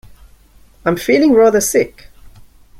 I'm feeling rather sick!